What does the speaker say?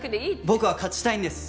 僕は勝ちたいんです。